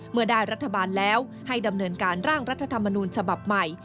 เมื่อได้รัฐบาลแล้วให้ดำเนินการร่างรัฐธรรมนูญฉบับใหม่